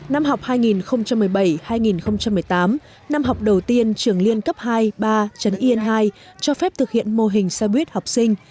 năm học hai nghìn một mươi bảy hai nghìn một mươi tám năm học đầu tiên trường liên cấp hai ba trấn yên hai cho phép thực hiện mô hình xe buýt học sinh